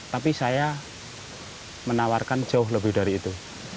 tapi saya menawarkan jauh lebih dari itu